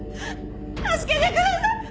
助けてください！